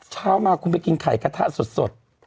ชาวนี้มาคุณไปกินไข่กะทะสด